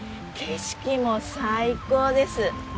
景色も最高です！